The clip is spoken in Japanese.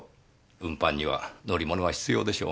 運搬には乗り物は必要でしょう。